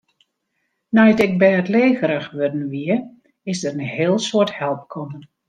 Nei't ik bêdlegerich wurden wie, is der in heel soad help kommen.